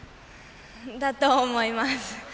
だと思います。